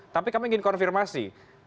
tapi kami ingin konfirmasi